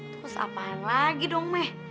terus apaan lagi dong meh